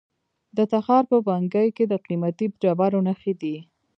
د تخار په بنګي کې د قیمتي ډبرو نښې دي.